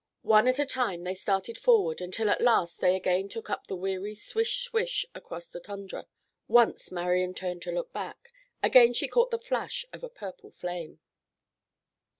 One at a time they started forward until at last they again took up the weary swish swish across the tundra. Once Marian turned to look back. Again she caught the flash of a purple flame.